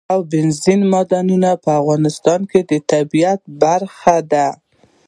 اوبزین معدنونه د افغانستان د طبیعت برخه ده.